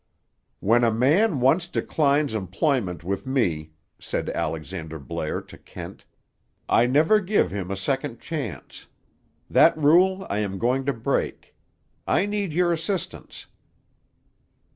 "When a man once declines employment with me," said Alexander Blair to Kent, "I never give him a second chance. That rule I am going to break. I need your assistance."